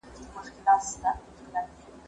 په حضور كي ورته جمع درباريان سول